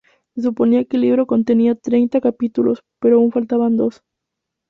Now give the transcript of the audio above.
Se suponía que el libro contenía treinta capítulos, pero aún faltaban dos.